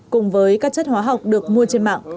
cùng với các chất hóa học được mua trên mạng